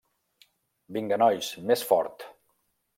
Vinga, nois, més fort!